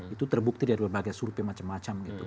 itu terbukti dari berbagai surpi macam macam